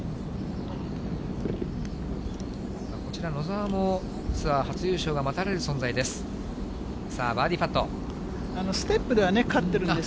こちら、野澤もツアー初優勝が待たれる存在です。